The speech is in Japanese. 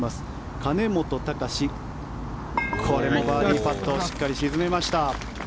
兼本貴司これもバーディーパットをしっかり沈めました。